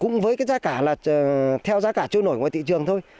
cũng với cái giá cả là theo giá cả trôi nổi ngoài thị trường thôi